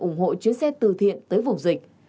ủng hộ chuyến xe từ thiện tới vùng dịch